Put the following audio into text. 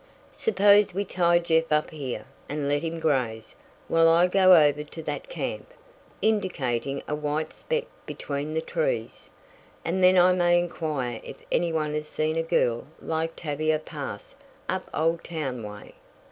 "Suppose we tie Jeff up here, and let him graze, while I go over to that camp" indicating a white speck between the trees "and then I may inquire if any one has seen a girl like Tavia pass up Oldtown way?"